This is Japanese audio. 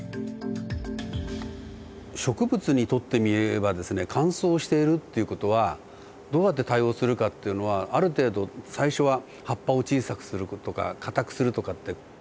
植物にとってみればですね乾燥しているっていう事はどうやって対応するかっていうのはある程度最初は葉っぱを小さくするとか硬くするとかって。